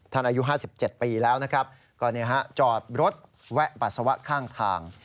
อายุ๕๗ปีแล้วนะครับก็จอดรถแวะปัสสาวะข้างทาง